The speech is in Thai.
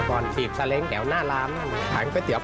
โปรดติดตามตอนต่อไป